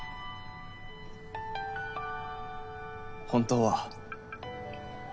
本当は。